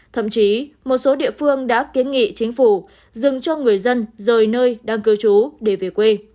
thậm chí một số địa phương đã kiến nghị chính phủ dừng cho người dân rời nơi đang cư trú để về quê